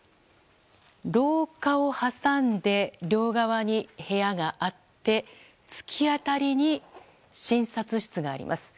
廊下を挟んで両側に部屋があって突き当たりに診察室があります。